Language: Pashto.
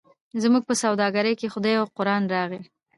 زموږ په سوداګرۍ کې خدای او قران راغی.